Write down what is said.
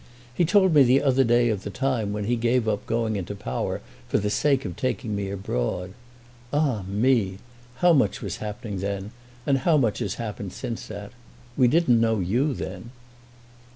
He told me the other day of the time when he gave up going into power for the sake of taking me abroad. Ah me! how much was happening then, and how much has happened since that! We didn't know you then."